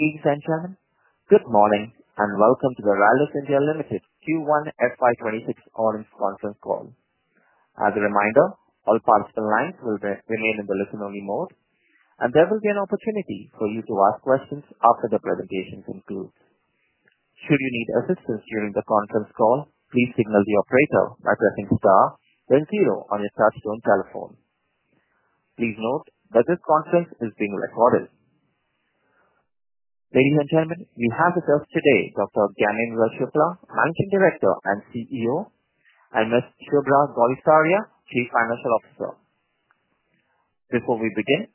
Thank you, Gyanendra. Good morning and welcome to the Rallis India Limited Q1 FY 2026 audience conference call. As a reminder, all participant lines will remain in the listen-only mode, and there will be an opportunity for you to ask questions after the presentation concludes. Should you need assistance during the conference call, please signal the operator by pressing the star, then zero on your touch-tone telephone. Please note that this conference is being recorded. Ladies and gentlemen, we have with us today Dr. Gyanendra Shukla, Managing Director and CEO, and Ms. Subhra Gourisaria, Chief Financial Officer. Before we begin,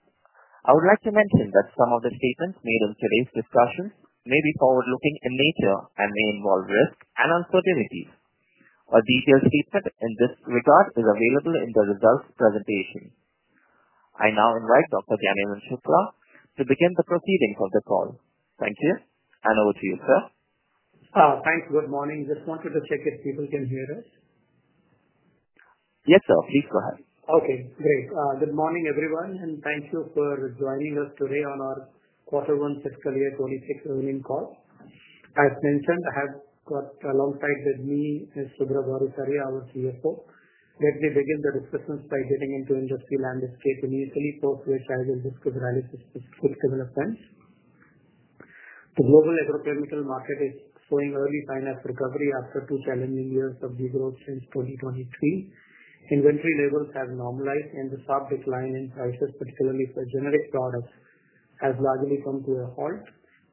I would like to mention that some of the statements made in today's discussion may be forward-looking in nature and may involve risk and uncertainties. A detailed statement in this regard is available in the results presentation. I now invite Dr. Gyanendra Shukla to begin the proceedings of the call. Thank you, and over to you, sir. Thanks. Good morning. Just wanted to check if people can hear us. Yes, sir. Please go ahead. Okay. Great. Good morning, everyone, and thank you for joining us today on our Q1 FY 2026 earnings call. As mentioned, I have got alongside with me Ms. Subhra Gourisaria, our CFO. Let me begin the discussion by getting into industry landscape initially, first of which I will discuss Rallis statistical events. The global agrochemical market is showing early signs of recovery after two challenging years of degrowth since 2023. Inventory levels have normalized, and the sharp decline in prices, particularly for generic products, has largely come to a halt.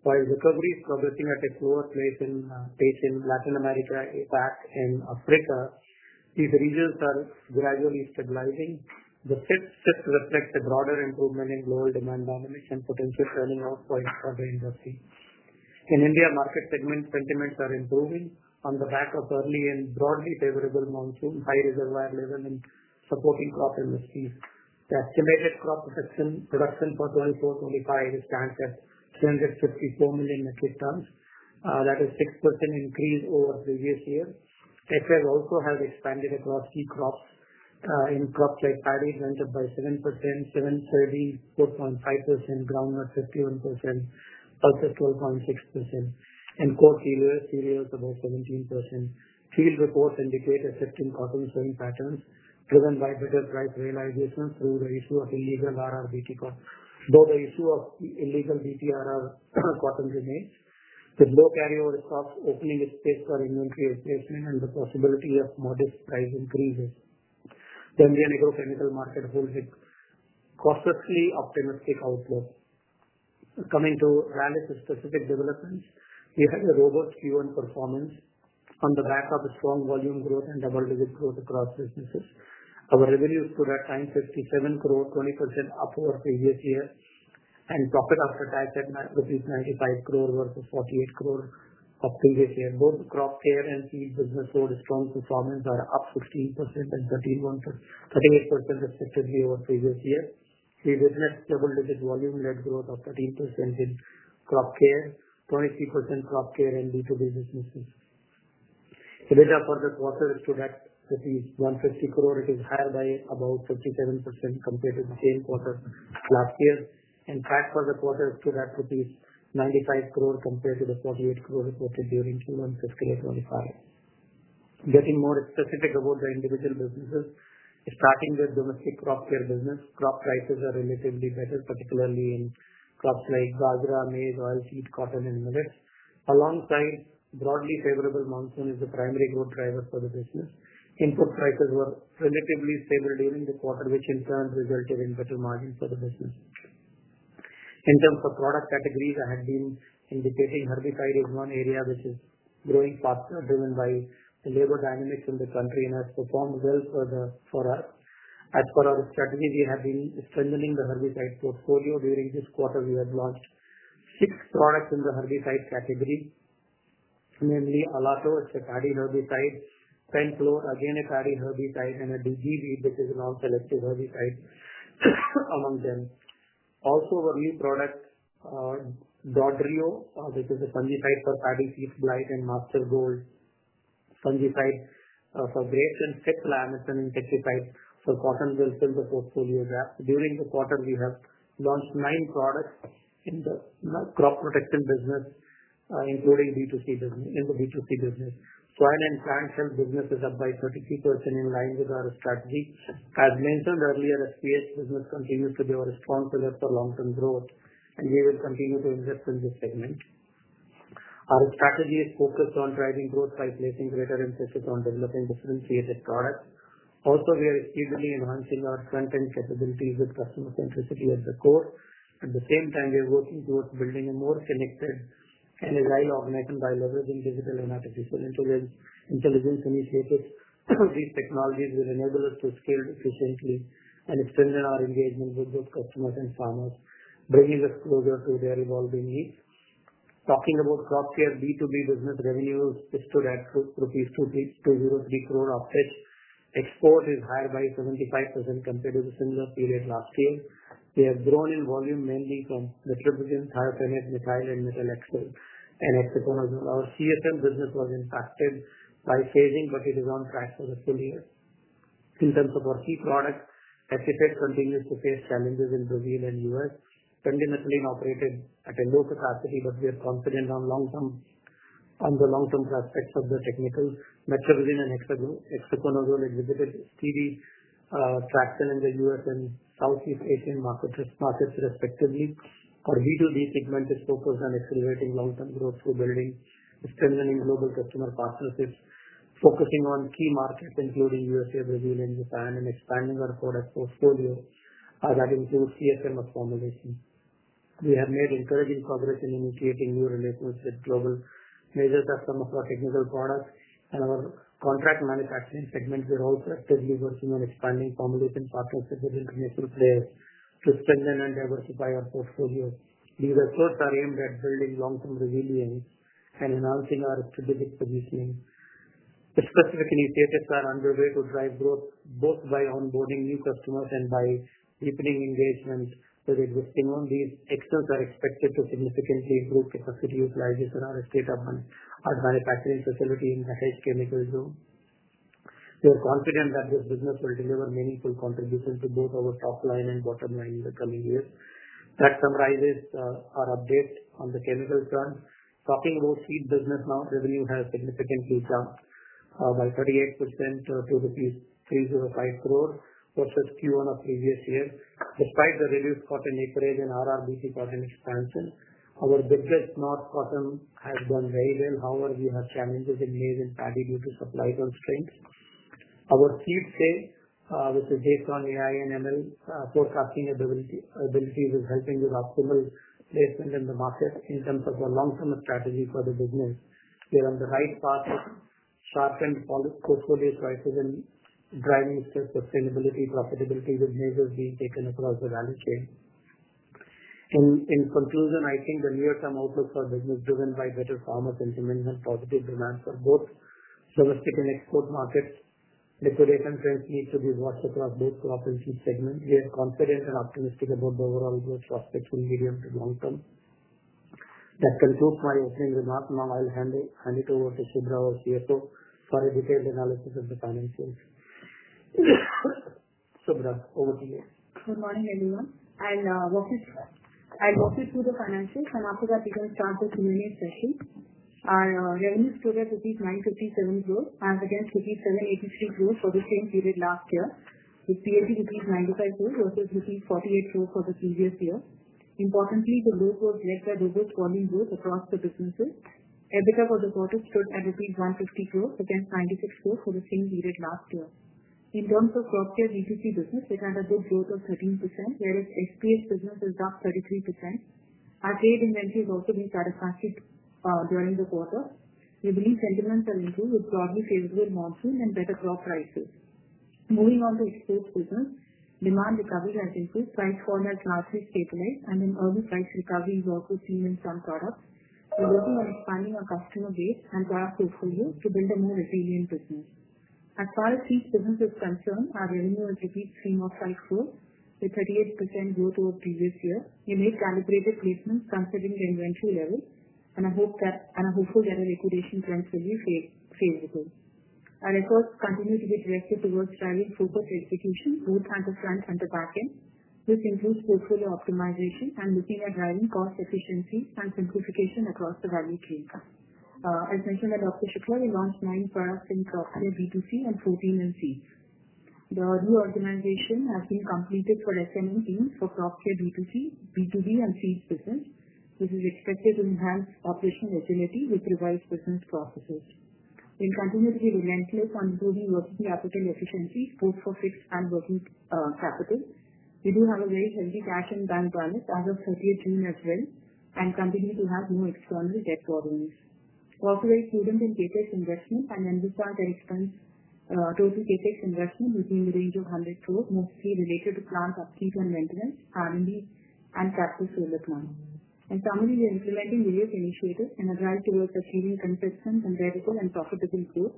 While recovery is progressing at its slower pace in Latin America, APAC, and Africa, these regions are gradually stabilizing. The fifth shift reflects a broader improvement in global demand dynamics and potential turning off for the industry. In India, market segment sentiments are improving on the back of early and broadly favorable monsoon, high reservoir levels in supporting crop industries. The estimated crop production for 2024/2025 stands at 254 million metric tons. That is a 6% increase over previous years. FL also has expanded across key crops. In crops like paddy, rented by 7%, 730, 4.5%, groundnut 51%, pulses 12.6%, and corn cereals about 17%. Field reports indicate a shift in cotton selling patterns driven by better price realization through the issue of illegal RRBT crop. Though the issue of illegal HTBT cotton remains, the low carryover stocks opening a space for inventory replacement and the possibility of modest price increases. The Indian agrochemical market holds a cautiously optimistic outlook. Coming to Rallis specific developments, we had a robust Q1 performance on the back of strong volume growth and double-digit growth across businesses. Our revenues to that time were 57 crore, 20% up over previous year, and profit after tax at at least rupees 95 crore versus 48 crore of previous year. Both the crop care and seed business showed strong performance that are up 15% and 38% respectively over previous year. We witnessed double-digit volume-led growth of 13% in crop care, 23% crop care in B2B businesses. The data for the quarter is to that, at least 150 crore. It is higher by about 57% compared to the same quarter last year. Tax for the quarter is to that, at least 95 crore compared to the 48 crore reported during Q1/25. Getting more specific about the individual businesses, starting with the domestic crop care business, crop prices are relatively better, particularly in crops like maize, oilseed, cotton, and millet. Alongside, broadly favorable monsoon is the primary growth driver for the business. Input prices were relatively stable during the quarter, which in turn resulted in better margins for the business. In terms of product categories, I had been indicating herbicide as one area which is growing faster, driven by the labor dynamics in the country, and has performed well for us. As for our strategy, we have been strengthening the herbicide portfolio. During this quarter, we have launched six products in the herbicide category, namely Alato, which is a paddy herbicide, Penflow, again a paddy herbicide, and DGV, which is a non-selective herbicide among them. Also, a new product, Dodrio, which is a fungicide for paddy seeds, Blythe and Master Gold fungicide for grapes and fig plants, and an insecticide for cotton will fill the portfolio gap. During the quarter, we have launched nine products in the crop protection business, including in the B2C business. Soil and plant health business is up by 33% in line with our strategy. As mentioned earlier, the seed business continues to be a responsible effort for long-term growth, and we will continue to invest in this segment. Our strategy is focused on driving growth by placing greater emphasis on developing differentiated products. Also, we are exceedingly enhancing our front-end capabilities with customer centricity at the core. At the same time, we are working towards building a more connected and agile organization by leveraging digital and artificial intelligence initiatives. These technologies will enable us to scale efficiently and strengthen our engagement with those customers and farmers, bringing us closer to their evolving needs. Talking about crop care, B2B business revenues is to that, at least 2.03 crore of pitch. Export is higher by 75% compared to the similar period last year. We have grown in volume mainly from nitrogen, Thiophanate methyl, and Hexaconazole. Our contract manufacturing (CSM) business was impacted by phasing, but it is on track for the full year. In terms of our key products, Metribuzin continues to face challenges in Brazil and the U.S. Pendimethalin operated at a low capacity, but we are confident on the long-term prospects of the technical. Metribuzin and Hexaconazole exhibited steady traction in the U.S. and Southeast Asian markets respectively. Our B2B segment is focused on accelerating long-term growth through building and strengthening global customer partnerships, focusing on key markets including the U.S., Brazil, and Japan, and expanding our product portfolio that includes contract manufacturing (CSM) formulations. We have made encouraging progress in initiating new relations with global majors as some of our technical products and our contract manufacturing segments. We are also actively working on expanding formulation partnerships with international players to strengthen and diversify our portfolio. These efforts are aimed at building long-term resilience and enhancing our strategic positioning. Specific initiatives are underway to drive growth both by onboarding new customers and by deepening engagement with existing ones. These efforts are expected to significantly improve capacity utilization in our state-of-the-art manufacturing facility in the Dahej Chemical Zone. We are confident that this business will deliver meaningful contributions to both our top line and bottom line in the coming years. That summarizes our update on the chemicals front. Talking about the seed business now, revenue has significantly jumped by 38% to at least rupees 3.05 crore versus Q1 of the previous year. Despite the reduced cotton acreage and HTBT cotton expansion, our business, not cotton, has done very well. However, we have challenges in maize and paddy due to supply constraints. Our Seed-Say sales, which is based on AI and ML forecasting abilities, is helping with optimal placement in the market. In terms of the long-term strategy for the business, we are on the right path with sharpened portfolio choices and driving sustainable profitability with measures being taken across the value chain. In conclusion, I think the near-term outlook for business, driven by better farmers' sentiments and positive demand for both domestic and export markets, liquidation trends need to be watched across both crop and seed segments. We are confident and optimistic about the overall growth prospects in the medium to long term. That concludes my opening remark. Now I'll hand it over to Ms. Subhra Gourisaria, our CFO, for a detailed analysis of the financials. Subhra, over to you. Good morning, everyone. I'll walk you through the financials, and after that, we can start the Q&A session. Our revenue stood at rupees 9.57 crore as against rupees 7.83 crore for the same period last year. The CAC is rupees 95 crore versus rupees 48 crore for the previous year. Importantly, the growth was led by business volume growth across the businesses. EBITDA for the quarter stood at INR 150 crore against 96 crore for the same period last year. In terms of crop care B2C business, it had a good growth of 13%, whereas SPS business is up 33%. Our trade inventories also have been satisfactory during the quarter. We believe sentiments have improved with broadly favorable monsoon and better crop prices. Moving on to export business, demand recovery has improved. Price fall has largely stabilized, and an early price recovery is also seen in some products. We're working on expanding our customer base and our portfolio to build a more resilient business. As far as seed business is concerned, our revenue has trimmed up by 4 with 38% growth over previous year. We made calibrated placements considering the inventory levels, and I'm hopeful that our liquidation trends will be favorable. Our efforts continue to be directed towards driving focused execution both at the front and the back end, which includes portfolio optimization and looking at driving cost efficiency and simplification across the value chain. As mentioned by Dr. Gyanendra Shukla, we launched nine products in crop care B2C and protein and seeds. The reorganization has been completed for SMM teams for crop care B2C, B2B, and seeds business, which is expected to enhance operational agility with revised business processes. We continue to be relentless on improving working capital efficiencies both for fixed and working capital. We do have a very healthy cash and bank balance as of 30th June as well and continue to have no extraordinary debt borrowings. We also are included in capex investment and NVSR direct funds total capex investment within the range of 100 crore, mostly related to plant upkeep and maintenance, R&D, and capital solar plants. Finally, we are implementing various initiatives and are driving towards achieving consistent and variable and profitable growth.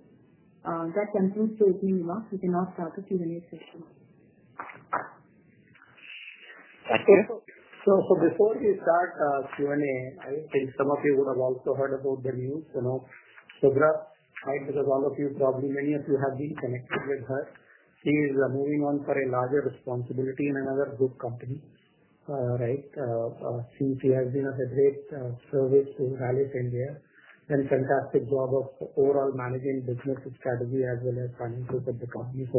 That concludes the opening remarks. We can now start the Q&A session. Thank you. Sure. Before we start Q&A, I think some of you would have also heard about the news from Subhra, right? Because all of you probably, many of you have been connected with her. She is moving on for a larger responsibility in another group company, right? She has been a great service to Rallis India, done a fantastic job of overall managing business strategy as well as financials of the company.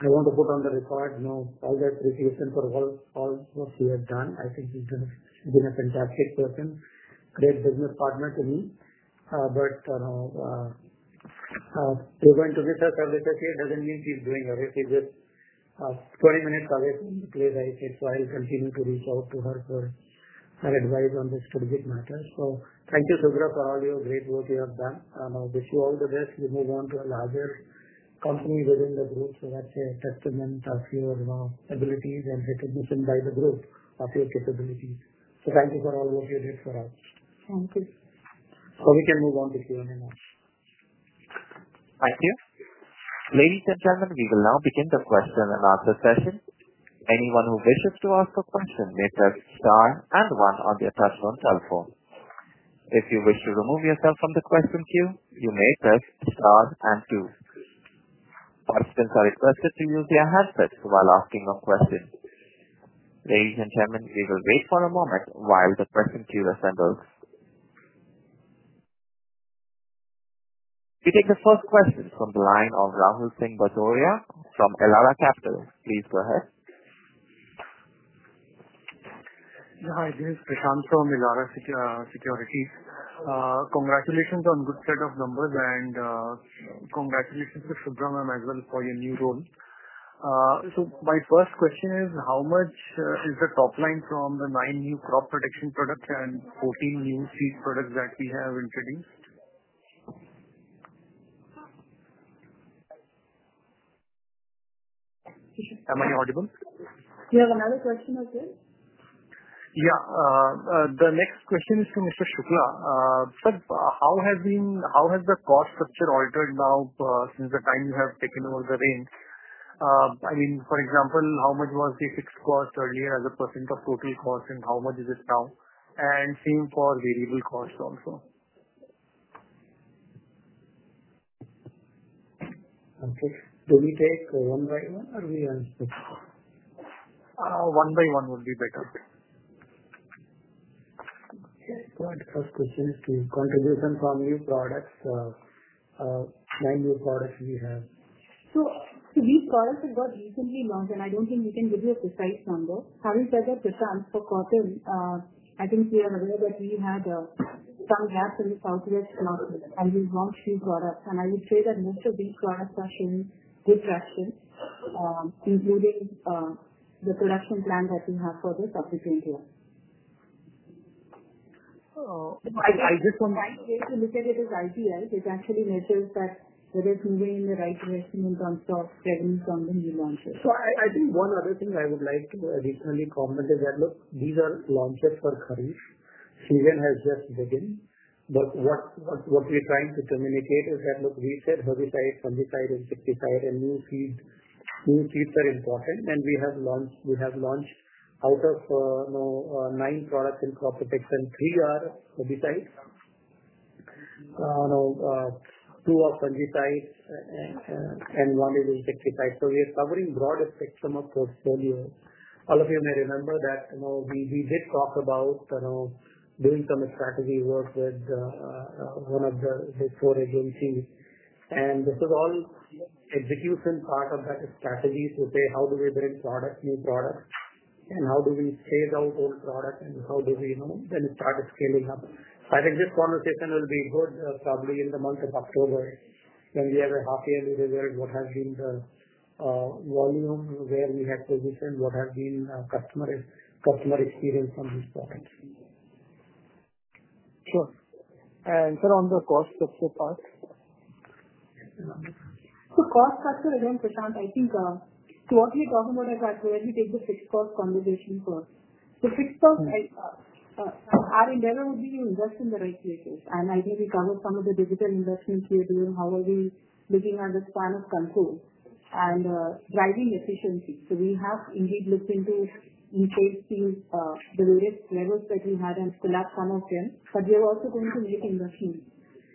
I want to put on the record all the appreciation for all what she has done. I think she's been a fantastic person, great business partner to me. You're going to miss her for the session. It doesn't mean she's going away. She's just 20 minutes away from the place, I think. I'll continue to reach out to her for her advice on the strategic matter. Thank you, Subhra, for all your great work you have done. I wish you all the best. You may go on to a larger company within the group. That's a testament of your abilities and recognition by the group of your capabilities. Thank you for all the work you did for us. Thank you. We can move on to Q&A now. Thank you. Ladies and gentlemen, we will now begin the question-and-answer session. Anyone who wishes to ask a question may press star and one on the attached telephone. If you wish to remove yourself from the question queue, you may press star and two. Participants are requested to use their handsets while asking a question. Ladies and gentlemen, we will wait for a moment while the question queue assembles. We take the first question from the line of Rahul Singh Bajoria from Elara Capital. Please go ahead. Hi. This is Prashant from Elara Securities. Congratulations on a good set of numbers, and congratulations to Subhra as well for your new role. My first question is, how much is the top line from the nine new crop protection products and 14 new seed products that we have introduced? Am I audible? You have another question as well? Yeah. The next question is to Mr. Shukla. Sir, how has the cost structure altered now since the time you have taken over the reins? I mean, for example, how much was the fixed cost earlier as a percent of total cost, and how much is it now? Same for variable costs also. Okay. Do we take one by one, or do we have six? One by one would be better. Okay. The first question is to contribution from new products, nine new products we have. These products have got recently launched, and I don't think we can give you a precise number. Having said that, the transfer cotton, I think we are aware that we had some gaps in the calculation loss and we launched new products. I would say that most of these products are showing good traction, including the production plan that we have for the subsequent year. I just want to. The right way to look at it is IPI. It actually measures that it is moving in the right direction in terms of revenues on the new launches. I think one other thing I would like to additionally comment is that these are launches for Kharif. Season has just begun. What we're trying to communicate is that we said herbicides, fungicides, insecticides, and new seeds are important. We have launched out of nine products in crop protection, three are herbicides, two are fungicides, and one is insecticide. We are covering broad spectrum of portfolio. All of you may remember that we did talk about doing some strategy work with one of the Big Four agencies. This is all execution part of that strategy to say, how do we bring products, new products, and how do we phase out old products, and how do we then start scaling up? I think this conversation will be good probably in the month of October when we have a half-yearly reserve, what has been the volume, where we have positioned, what has been customer experience on these products. Sure. Sir, on the cost structure part. Cost structure, again, Prashant, I think what we're talking about is that where we take the fixed cost conversation first. Fixed cost, our endeavor would be to invest in the right places. I think we covered some of the digital investments we are doing. How are we looking at the span of control and driving efficiency? We have indeed looked into the various levels that we had to collapse some of them. We are also going to make investments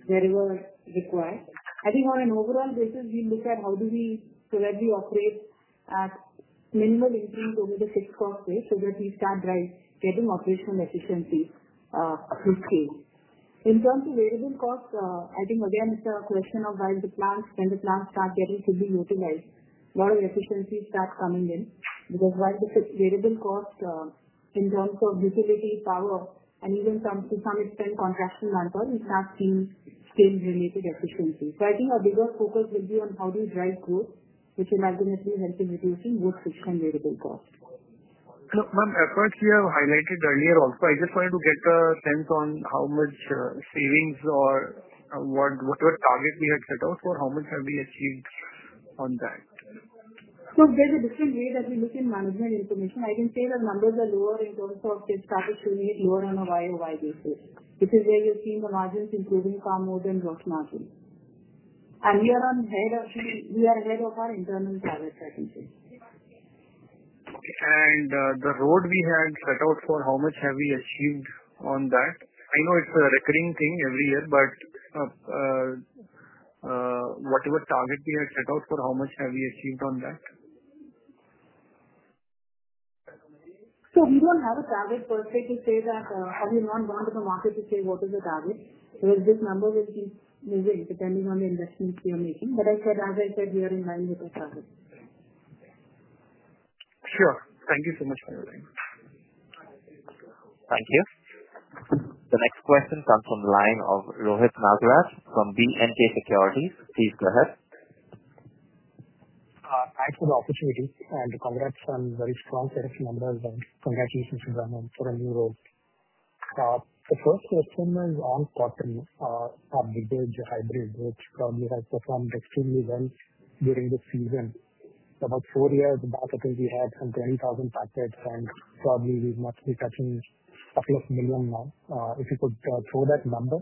wherever required. I think on an overall basis, we look at how do we so that we operate at minimal increase over the fixed cost way so that we start driving getting operational efficiency to scale. In terms of variable cost, I think again it's a question of when the plants start getting to be utilized. A lot of efficiencies start coming in because while the variable cost in terms of utility, power, and even to some extent contraction manpower, we start seeing scale-related efficiency. I think our bigger focus will be on how do we drive growth, which will ultimately help in reducing both fixed and variable costs. Now, first, you have highlighted earlier also. I just wanted to get a sense on how much savings or whatever target we had set out for, how much have we achieved on that? There is a different way that we look in management information. I can say the numbers are lower in terms of they've started showing it lower on a YOY basis, which is where you're seeing the margins improving far more than gross margins. We are ahead of our internal target, I can say. The road we had set out for, how much have we achieved on that? I know it's a recurring thing every year, but whatever target we had set out for, how much have we achieved on that? We don't have a target per se to say that, have you not gone to the market to say what is the target? This number will keep moving depending on the investments we are making. As I said, we are in line with our target. Sure. Thank you so much for your time. Thank you. The next question comes from the line of B&K Securities. please go ahead. Thanks for the opportunity and congrats on a very strong selection number as well. Congratulations to Ramon for a new role. The first question is on cotton, our big hybrid, which probably has performed extremely well during the season. About four years back, I think we had some 20,000 packets, and probably we must be touching a couple of million now if you could throw that number.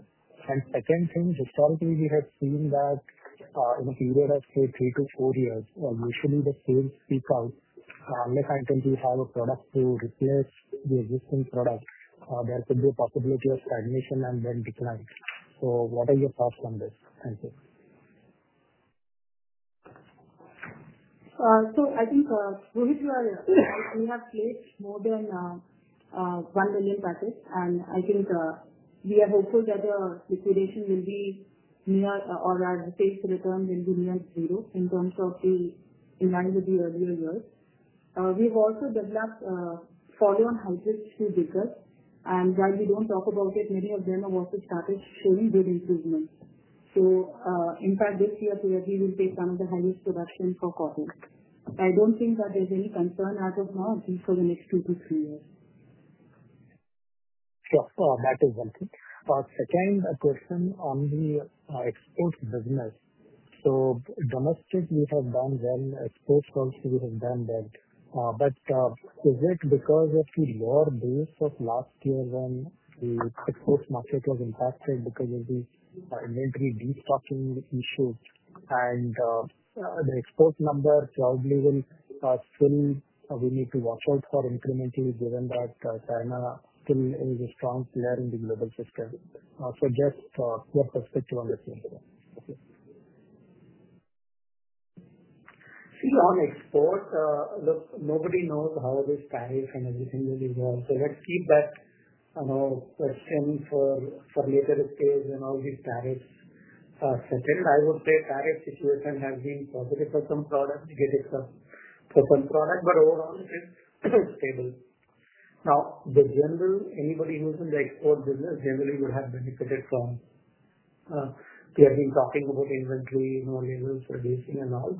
Historically, we have seen that in a period of, say, three to four years, usually the sales seek out, unless I think we have a product to replace the existing product, there could be a possibility of stagnation and then decline. What are your thoughts on this? Thank you. I think, Rohit, we have placed more than 1 million packets, and I think we are hopeful that the liquidation will be near or our sales return will be near zero in line with the earlier years. We've also developed fall-on hybrids too bigger, and while we don't talk about it, many of them have also started showing good improvements. In fact, this year we will take some of the highest production for cotton. I don't think that there's any concern as of now at least for the next two to three years. Sure, that is one thing. Our second question on the export business. Domestic we have done well, exports also we have done well. Is it because of the lower base of last year when the export market was impacted because of the inventory destocking issues? The export number probably will still we need to watch out for incrementally given that China still is a strong player in the global system. Just your perspective on this one. On export, look, nobody knows how these tariffs and everything will evolve. Let's keep that question for a later stage and how these tariffs are settled. I would say tariff situation has been positive for some products, negative for some products, but overall it is stable. Anybody who's in the export business generally would have benefited from we have been talking about inventory levels reducing and all.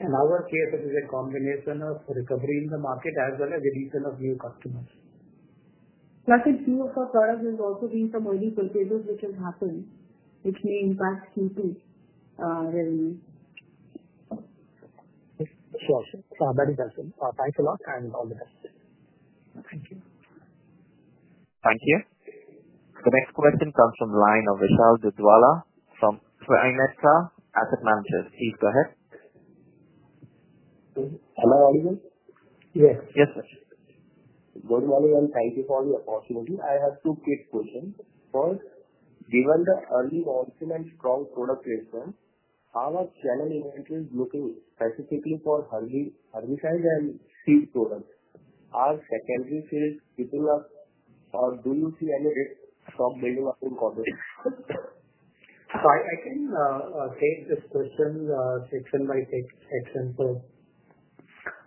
In our case, it is a combination of recovery in the market as well as the addition of new customers. Plus, a few of our products have also been some early purchases, which has happened, which may impact Q2 revenue. Sure, that is excellent. Thanks a lot and all the best. Thank you. Thank you. The next question comes from the line of Vishal Dudhwala from Trinetra Asset Managers. Please go ahead. Hello, all of you. Yes. Yes, sir. Good morning and thank you for the opportunity. I have two quick questions. First, given the early monsoon and strong product placement, how are channel inventories looking specifically for herbicides and seed products? Are secondary sales keeping up, or do you see any risk of building up in cotton? I can take this question section by section.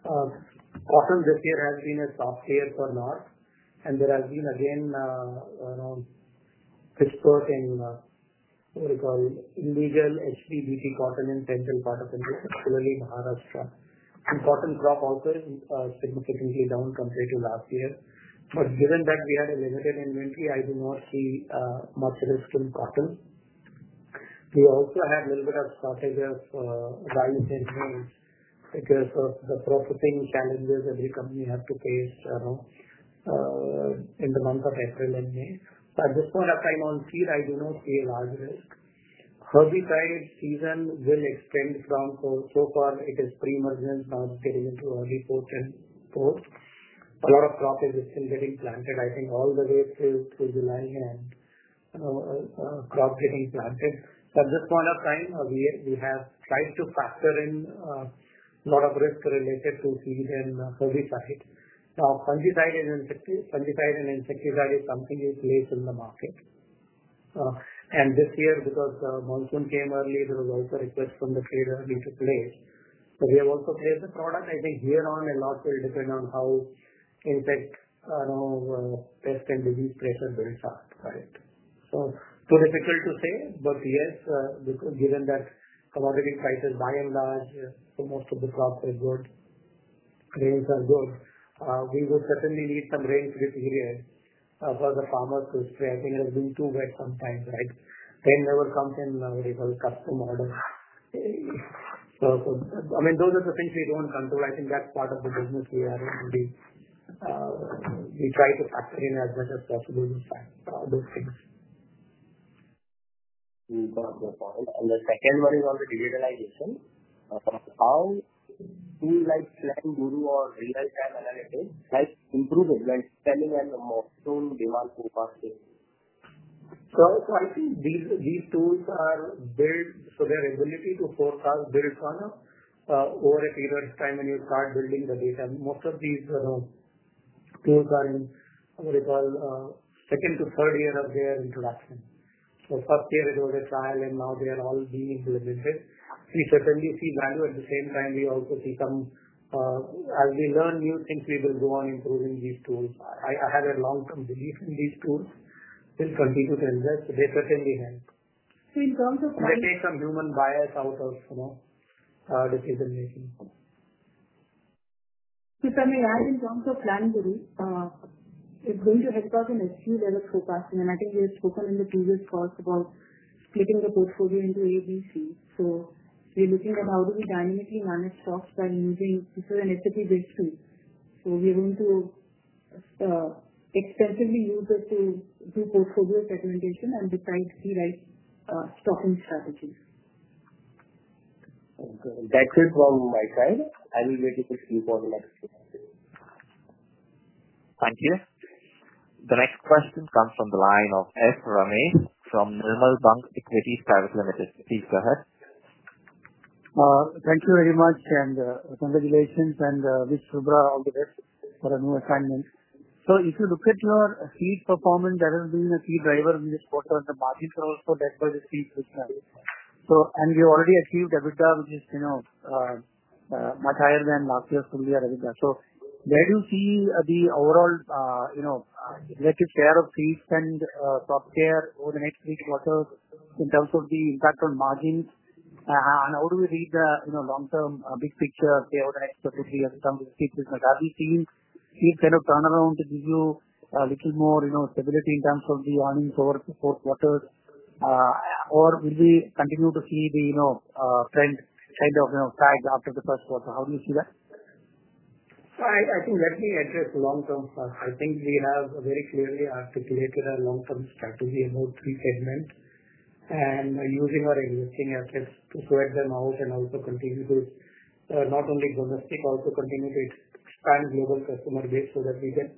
Cotton this year has been a soft year for North, and there has been again a pitch for it in what we call illegal HTBT cotton in central part of India, particularly Maharashtra. Cotton crop also is significantly down compared to last year. Given that we had a limited inventory, I do not see much risk in cotton. We also had a little bit of shortage of rice and maize because of the processing challenges every company had to face in the month of April and May. At this point of time, on seed, I do not see a large risk. Herbicide season will extend from, so far it is pre-emergence, now it's getting into early fourth and fourth. A lot of crop is still getting planted. I think all the way till July and crop getting planted. At this point of time, we have tried to factor in a lot of risk related to seed and herbicides. Fungicide and insecticide is something which is late in the market. This year, because the monsoon came early, there was also a request from the trade early to place. We have also placed the product. Here on, a lot will depend on how insect pest and disease pressure builds up. It's too difficult to say, but yes, given that commodity prices by and large, so most of the crops are good, grains are good, we would certainly need some rain-free period for the farmers to spray. It has been too wet sometimes, right? Rain never comes in what we call custom order. Those are the things we don't control. That's part of the business we are already. We try to factor in as much as possible with those things. We've got your point. The second one is on the digitalization. How do you like planning due to our real-time analytics, like improving when selling and the monsoon demand forecasting? I think these tools are built, so their ability to forecast builds over a period of time when you start building the data. Most of these tools are in what we call the second to third year of their introduction. The first year it was a trial and now they are all being implemented. We certainly see value. At the same time, we also see some, as we learn new things, we will go on improving these tools. I have a long-term belief in these tools. We'll continue to invest. They certainly help. In terms of planning. I take some human bias out of decision-making. In terms of planning, it's going to help us in SG level forecasting. I think we have spoken in the previous calls about splitting the portfolio into A, B, C. We're looking at how do we dynamically manage stocks by using this in SAP BigStream. We're going to extensively use it to do portfolio segmentation and decide the right stocking strategy. That's it from my side. I'll wait if it's due for the next question. Thank you. The next question comes from the line of S. Ramesh from Nirmal Bang Equities Private Limited. Please go ahead. Thank you very much, and congratulations, and wish Ms. Subhra Gourisaria all the best for a new assignment. If you look at your seed performance, that has been a key driver in this quarter, and the margins are also led by the seeds. We already achieved EBITDA, which is much higher than last year's full year EBITDA. Where do you see the overall relative share of seeds and crop care over the next three quarters in terms of the impact on margins? How do we read the long-term big picture over the next two to three years in terms of seed business? Are we seeing seed kind of turnaround to give you a little more stability in terms of the earnings over the fourth quarters? Will we continue to see the trend kind of sag after the first quarter? How do you see that? Let me address the long-term side. We have very clearly articulated our long-term strategy in those three segments and using our existing assets to spread them out and also continue to not only domestic, also continue to expand global customer base so that we can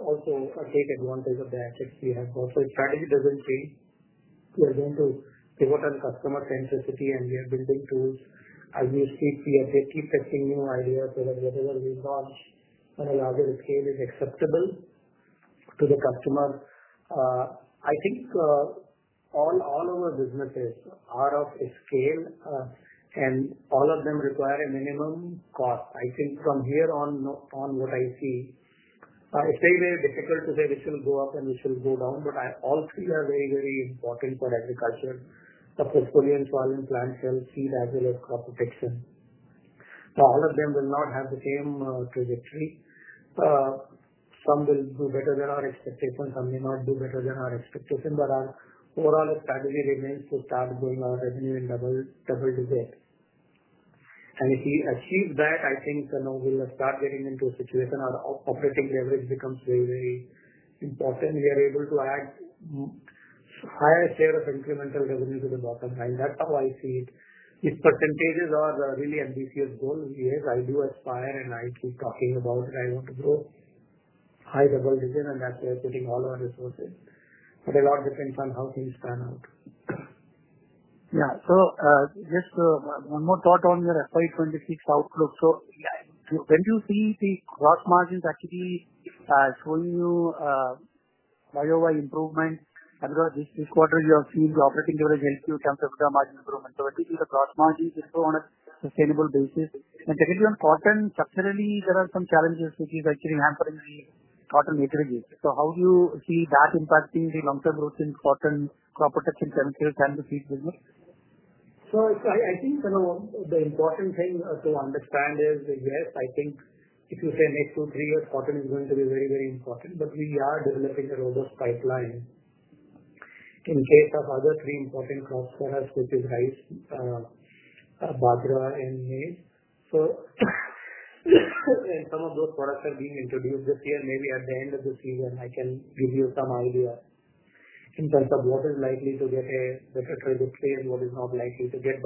also take advantage of the assets we have got. The strategy doesn't change. We are going to pivot on customer centricity, and we are building tools. As we speak, we keep testing new ideas so that whatever we launch on a larger scale is acceptable to the customer. All of our businesses are of scale, and all of them require a minimum cost. From here on, on what I see, it's very, very difficult to say which will go up and which will go down. All three are very, very important for agriculture: the portfolio installment, plant health, seed as well as crop protection. All of them will not have the same trajectory. Some will do better than our expectations. Some may not do better than our expectations. Our overall strategy remains to start growing our revenue in double digits. If we achieve that, we'll start getting into a situation where our operating leverage becomes very, very important. We are able to add a higher share of incremental revenue to the bottom line. That's how I see it. If percentages are really ambiguous goals, yes, I do aspire and I keep talking about it. I want to grow high double digits, and that's where putting all our resources. A lot depends on how things pan out. Yeah. Just one more thought on your FY 2026 outlook. When you see the gross margins actually showing you year-over-year improvement, and this quarter you have seen the operating leverage help you in terms of margin improvement, when do you see the gross margins improve on a sustainable basis? Technically, on cotton, structurally, there are some challenges, which is actually hampering the cotton aggregate. How do you see that impacting the long-term routine cotton crop protection chemicals and the seed business? I think the important thing to understand is that, yes, if you say next two, three years, cotton is going to be very, very important. We are developing a robust pipeline in case of other three important crops for us, which is rice, paddy, and maize. Some of those products are being introduced this year. Maybe at the end of the season, I can give you some idea in terms of what is likely to get a better trajectory and what is not likely to get.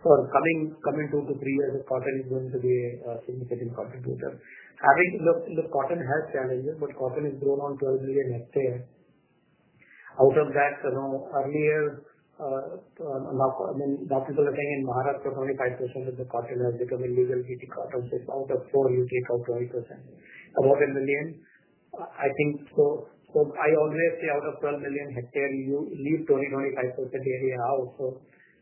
For the coming two to three years, the cotton is going to be a significant contributor. Having looked, the cotton has challenges, but cotton is grown on 12 million hectares. Out of that, I know earlier, I mean, now people are saying in Maharashtra, 25% of the cotton has become illegal HTBT cotton. Out of 12 million hectares, you leave 20%-25% area out.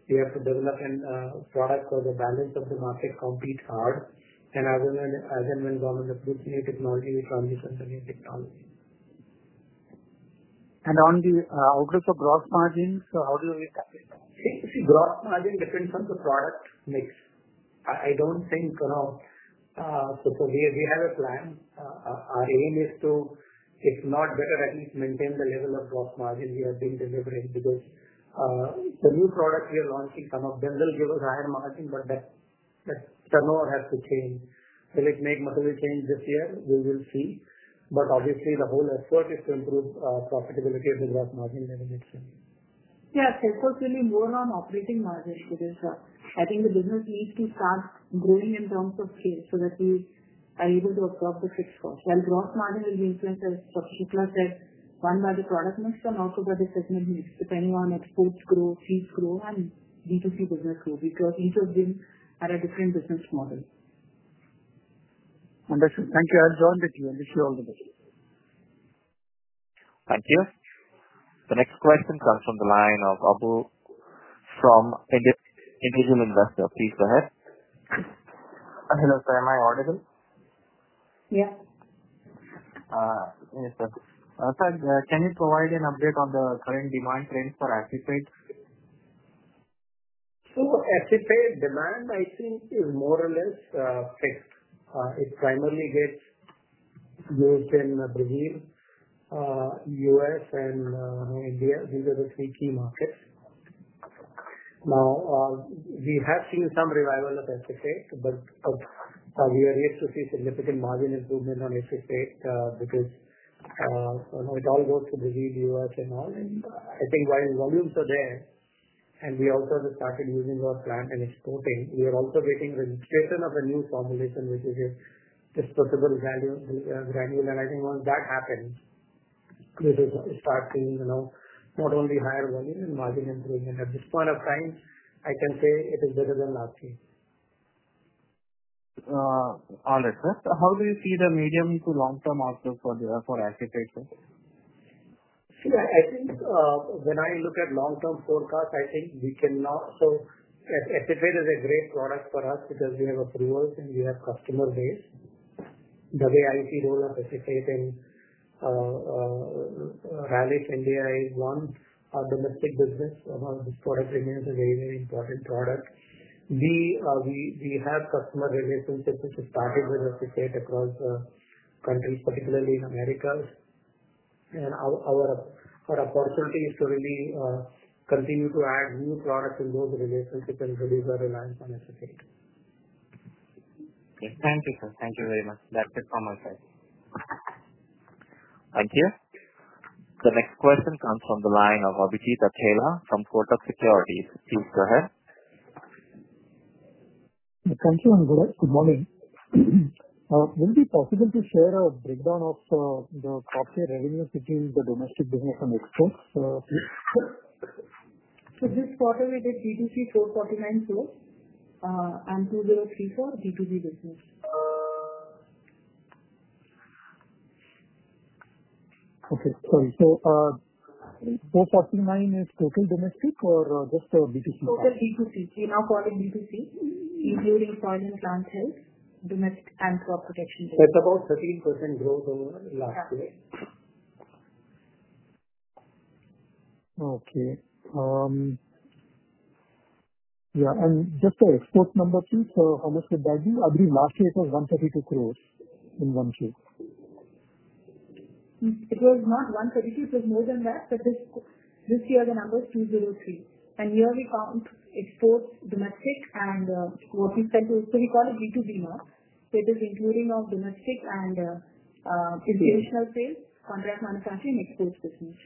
We have to develop a product for the balance of the market and compete hard. As and when government approves new technology, we transition to new technology. On the outlook of gross margins, how do you see? See, gross margin depends on the product mix. I don't think, you know, we have a plan. Our aim is to, if not better, at least maintain the level of gross margin we have been delivering. The new products we are launching, some of them will give us higher margin, but that turnover has to change. Will it make much of a change this year? We will see. Obviously, the whole effort is to improve profitability of the gross margin in the next year. Yeah. It's really more on operating margins. I think the business needs to start growing in terms of scale so that we are able to absorb the fixed cost. While gross margin will be influenced, as Dr. Gyanendra Shukla said, one by the product mix and also by the segment mix depending on exports grow, seeds grow, and B2C business grow because each of them are a different business model. Wonderful. Thank you. I'll join with you and wish you all the best. Thank you. The next question comes from the line of Abul from Individual Investor. Please go ahead. Hello, sir. Am I audible? Yes. Yes, sir. In fact, can you provide an update on the current demand trends for acid phase? Acid phase demand, I think, is more or less fixed. It primarily gets used in Brazil, U.S., and India. These are the three key markets. We have seen some revival of acid phase, but we are yet to see significant margin improvement on acid phase because it all goes to Brazil, U.S., and all. I think while volumes are there and we also have started using our plant and exporting, we are also getting registration of a new formulation, which is a disposable granule. I think once that happens, we will start seeing not only higher volume and margin improvement. At this point of time, I can say it is better than last year. All right. How do you see the medium to long-term outlook for acid phase? See, I think when I look at long-term forecasts, I think we cannot, so acid phase is a great product for us because we have a pre-work and we have customer base. The way I see the role of acid phase in Rallis India is one. Our domestic business, this product remains a very, very important product. We have customer relationships, which have started with acid phase across countries, particularly in America. Our opportunity is to really continue to add new products in those relationships and reduce our reliance on acid phase. Okay. Thank you, sir. Thank you very much. That's it from my side. Thank you. The next question comes from the line of [Abhijit Attallah] from [Port of Securities]. Please go ahead. Thank you, Amirul. Good morning. Will it be possible to share a breakdown of the crop care revenues between the domestic business and exports? we did INR 449 crore in crop care and INR 203.4 crore in B2B business. Okay. Sorry. So 449 is total domestic or just B2C? Total B2C. We now call it B2C, including soil and plant health, domestic and crop protection. It's about 13% growth over last year. Okay. Yeah. Just the export number piece, how much did that do? I believe last year it was 132 crore in one share. It was not 132. It was more than that. This year, the number is 203. Here we found exports, domestic, and what we tend to, so we call it B2B now. It is including domestic and international sales, contract manufacturing, and export business.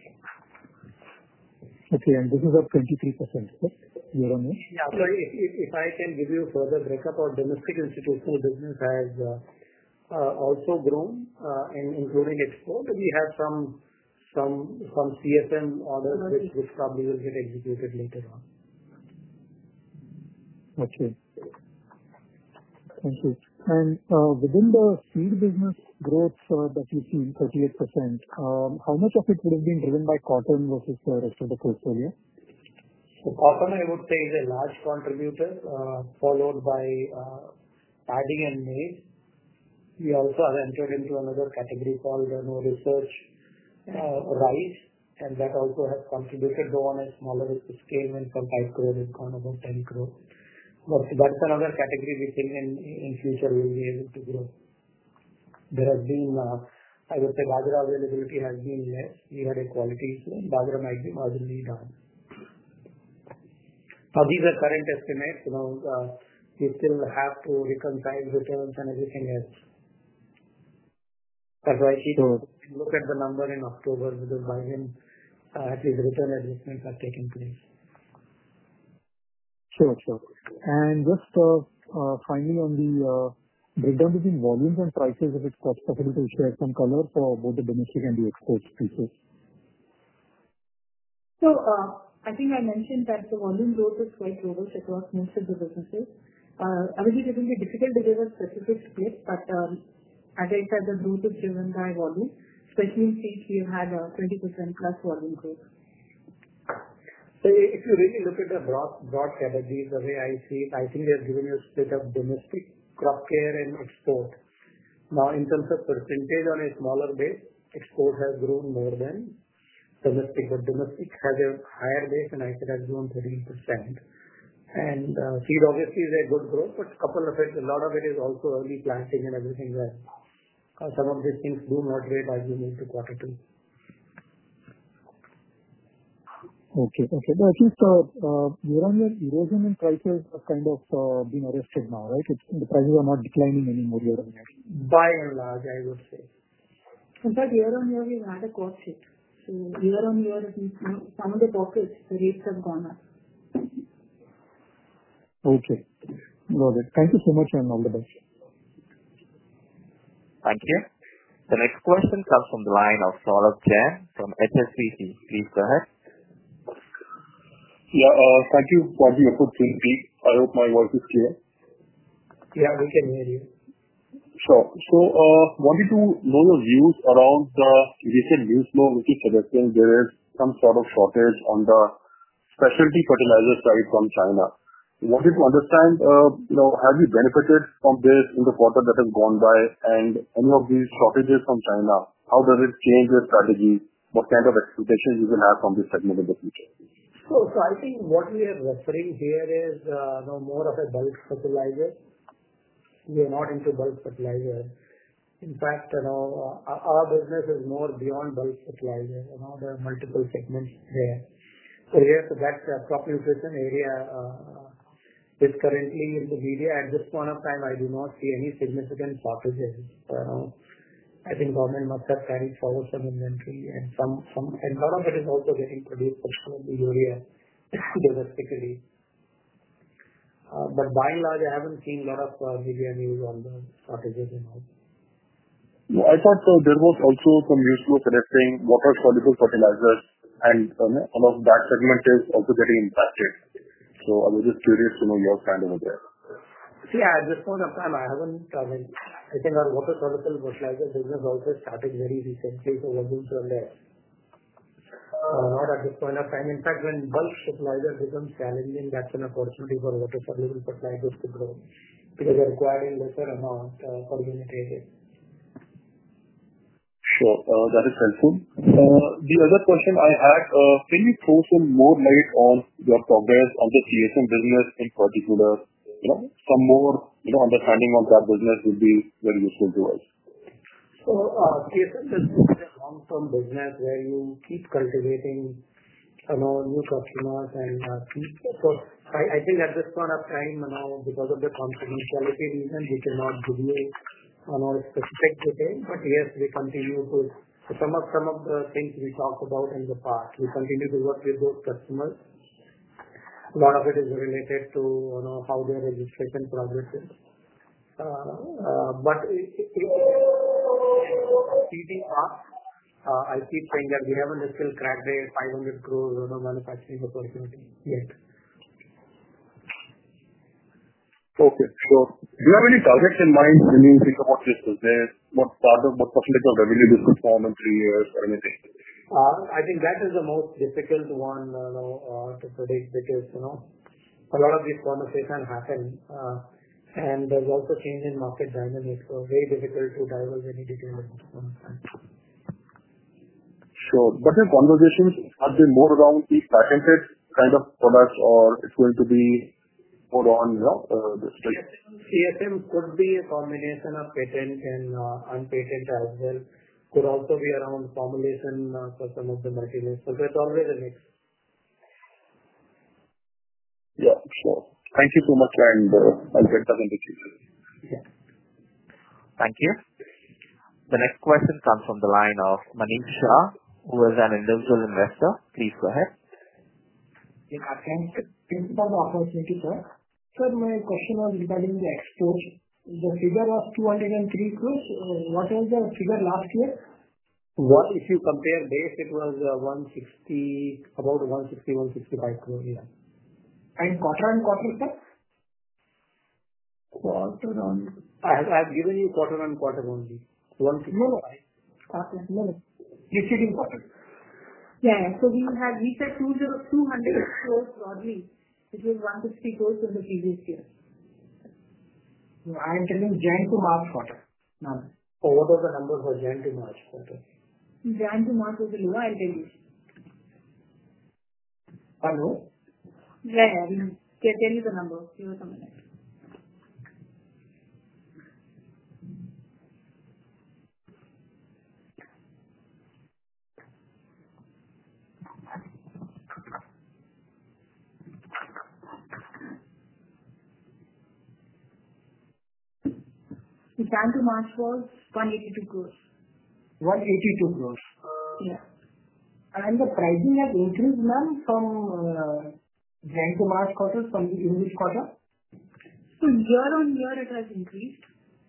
Okay. This is up 23%. You're on mute. If I can give you a further breakup, our domestic institutional business has also grown, including export. We have some contract manufacturing (CSM) orders which probably will get executed later on. Thank you. Within the seed business growth that we've seen, 38%, how much of it would have been driven by cotton versus the rest of the portfolio? Cotton, I would say, is a large contributor, followed by paddy and maize. We also have entered into another category called no research rice, and that also has contributed, though on a smaller scale and some tight credit, about 10 crore. That's another category we think in the future we'll be able to grow. There has been, I would say, bagra availability has been less. We had equalities. Bagra marginally down. These are current estimates. You know we still have to reconcile returns and everything else. That's why I keep looking at the number in October because by then, at least return adjustments have taken place. Sure. Just finally, on the breakdown between volumes and prices, if it's possible to share some color for both the domestic and the exports pieces. I think I mentioned that the volume growth is quite global across most of the businesses. I would be giving a difficult to give a specific split, but as I said, the growth is driven by volume, especially in seeds. We have had 20%+ volume growth. If you really look at the broad strategy, the way I see it, I think they've given you a split of domestic crop care and export. In terms of percentage on a smaller base, export has grown more than domestic, but domestic has a higher base, and I said it's grown 13%. Seed obviously is a good growth, but a couple of it, a lot of it is also early planting and everything else. Some of these things do moderate as we move to quarter two. Okay. I think year on year, erosion in prices has kind of been arrested now, right? The prices are not declining anymore year on year. By and large, I would say. In fact, year on year we've had a quart sit. Year on year, some of the quart sits rates have gone up. Okay. Got it. Thank you so much and all the best. Thank you. The next question comes from the line of [Saurabh Chen] from HSBC. Please go ahead. Yeah, thank you for the effort, Srinpea. I hope my voice is clear. Yeah, we can hear you. Sure. I wanted to know your views around the recent news flow, which is suggesting there is some sort of shortage on the specialty fertilizer side from China. I wanted to understand, you know, have you benefited from this in the quarter that has gone by? Any of these shortages from China, how does it change your strategy? What kind of expectations you will have from this segment in the future? I think what we are referring here is more of a bulk fertilizer. We are not into bulk fertilizer. In fact, our business is more beyond bulk fertilizer. There are multiple segments there. Yes, that crop nutrition area is currently in the media. At this point of time, I do not see any significant shortages. I think government must have carried forward some inventory, and a lot of it is also getting produced from some of the urea domestically. By and large, I haven't seen a lot of media news on the shortages in all. I thought there was also some news flow connecting water-soluble fertilizers, and a lot of that segment is also getting impacted. I was just curious to know your standing on there. At this point of time, I think our water-soluble fertilizer business also started very recently, so we're going to allow not at this point of time. In fact, when bulk fertilizer becomes challenging, that's an opportunity for water-soluble fertilizers to grow because they're requiring lesser amounts of organic agents. Sure. That is helpful. The other question I had, can you throw some more light on your progress on the contract manufacturing (CSM) business in particular? You know, some more understanding on that business would be very useful to us. manufacturing (CSM) business is a long-term business where you keep cultivating new customers. At this point of time, because of confidentiality reasons, we cannot give you a specific detail. Yes, we continue to some of the things we talked about in the past, we continue to work with those customers. A lot of it is related to how their registration progresses. Seeding up, I keep saying that we haven't still cracked the 500 crore manufacturing opportunity yet. Okay. Sure. Do you have any targets in mind when you think about this business? What percentage of revenue this could form in three years or anything? I think that is the most difficult one to predict because a lot of these conversations happen. There's also a change in market dynamics, so it's very difficult to divulge any details at this point of time. Sure. Have your conversations been more around these patented kind of products, or is it going to be more on this space? CSM could be a combination of patent and unpatent as well. It could also be around formulation for some of the materials. It's always a mix. Thank you so much, and I'll get back in the future. Yeah. Thank you. The next question comes from the line of Manish Shah, who is an individual investor. Please go ahead. Thank you for the opportunity, sir. Sir, my question was regarding the exports. The figure was 203 crore. What was the figure last year? If you compare base, it was about 160 crore, 165 crore. Yeah. Quarter on quarter, sir? Quarter on, I have given you quarter on quarter only. No, quarter. No. Preceding quarter. We said 206 crores broadly, which was 150 crores in the previous year. I'm telling you Jan to March quarter now. What are the numbers for Jan to March quarter? Jan to March was the lower, I'll tell you. I know. Yeah, I can tell you the numbers. Give us a minute. Jan to March was 182 crore. 182 crores. Yeah. Has the pricing increased from the January to March quarter from the English quarter? Year on year, it has increased.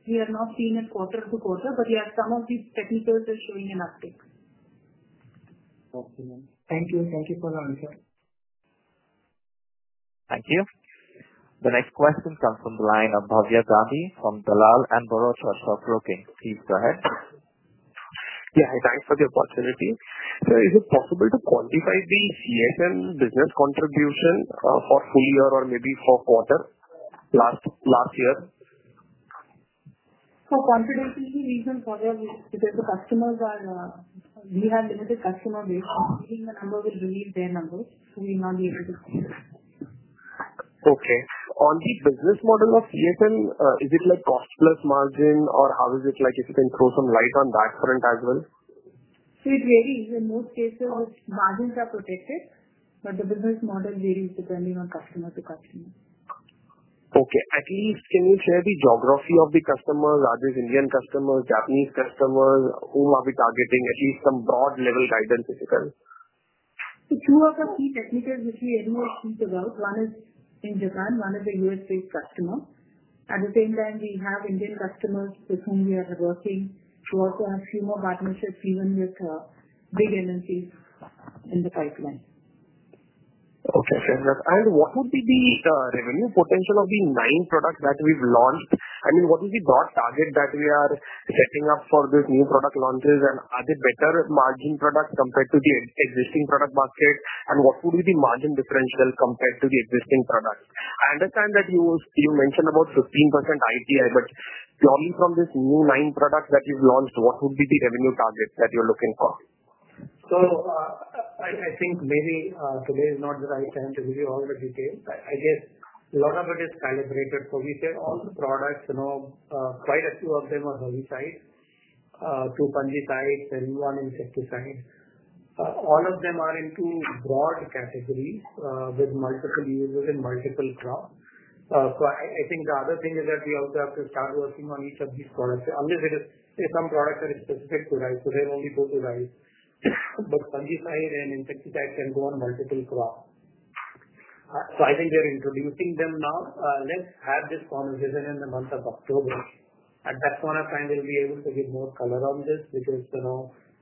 We are not seeing it quarter to quarter, but yes, some of these technicals are showing an uptick. Okay, ma'am. Thank you. Thank you for your answer. Thank you. The next question comes from the line of Bhavya Gandhi from Dalal & Broacha. Please go ahead. Thanks for the opportunity. Sir, is it possible to quantify the CSM business contribution for full year or maybe for quarter last year? For confidentiality reasons, whether because the customers are, we have limited customer base, the number will reveal their numbers. We may not be able to see it. Okay. On the business model of contract manufacturing (CSM), is it like cost plus margin, or how is it like if you can throw some light on that front as well? It varies. In most cases, margins are protected, but the business model varies depending on customer to customer. Okay. At least can you share the geography of the customers? Are these Indian customers, Japanese customers? Whom are we targeting? At least some broad-level guidance if you can. Two of the key technicals which we everyone speak about, one is in Japan, one is a U.S.-based customer. At the same time, we have Indian customers with whom we are working to also have a few more partnerships even with big entities in the pipeline. Okay. Thank you. What would be the revenue potential of the nine products that we've launched? I mean, what is the broad target that we are setting up for these new product launches? Are they better margin products compared to the existing product market? What would be the margin differential compared to the existing products? I understand that you mentioned about 15% IPI, but purely from these new nine products that you've launched, what would be the revenue targets that you're looking for? I think maybe today is not the right time to give you all the details. I guess a lot of it is calibrated. We said all the products, quite a few of them are herbicides, two fungicides, and one insecticide. All of them are into broad categories with multiple uses and multiple crops. The other thing is that we also have to start working on each of these products unless it is some products that are specific to rice, so they'll only go to rice. Fungicides and insecticides can go on multiple crops. They're introducing them now. Let's have this conversation in the month of October. At that point of time, we'll be able to give more color on this because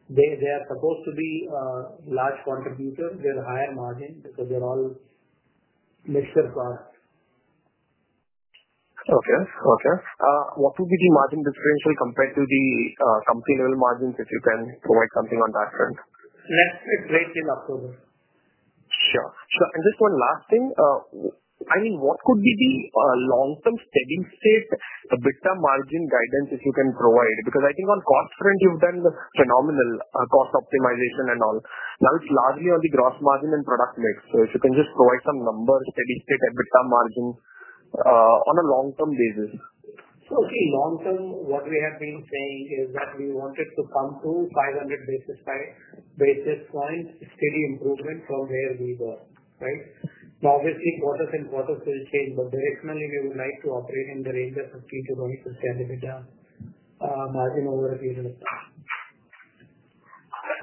they are supposed to be a large contributor with higher margin because they're all mixture products. Okay. What would be the margin differential compared to the company-level margins if you can provide something on that front? Let's wait till October. Sure. Just one last thing. I mean, what could be the long-term steady-state EBITDA margin guidance if you can provide? I think on cost front, you've done the phenomenal cost optimization and all. Now it's largely on the gross margin and product mix. If you can just provide some numbers, steady-state EBITDA margins on a long-term basis. Long-term, what we have been saying is that we wanted to come to 500 basis points steady improvement from where we were, right? Now, obviously, quarters and quarters will change, but directionally, we would like to operate in the range of 15%-25% EBITDA margin over a period of time.